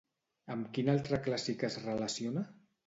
Amb quin altre clàssic es relaciona?